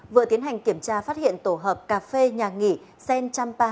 vừa tiến hành kiểm tra phát hiện tổ hợp cà phê nhà nghỉ sen một trăm ba mươi hai